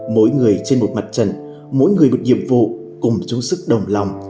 mỗi người trên một mặt trận mỗi người một nhiệm vụ cùng chung sức đồng lòng